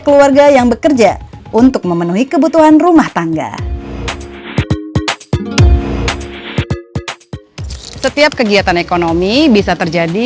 keluarga yang bekerja untuk memenuhi kebutuhan rumah tangga setiap kegiatan ekonomi bisa terjadi